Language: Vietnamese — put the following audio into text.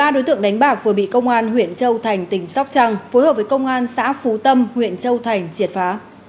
ba đối tượng đánh bạc vừa bị công an huyện châu thành tỉnh sóc trăng phối hợp với công an xã phú tâm huyện châu thành triệt phá